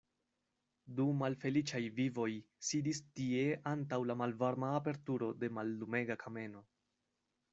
Du malfeliĉaj vivoj sidis tie antaŭ la malvarma aperturo de mallumega kameno.